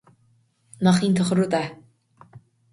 Nach iontach an rud é?